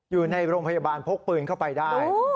อยู่ในโรงพยาบาลพกปืนเข้าไปได้